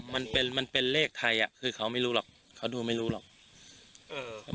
มันเป็นมันเป็นเลขใครอ่ะคือเขาไม่รู้หรอกเขาดูไม่รู้หรอกเออ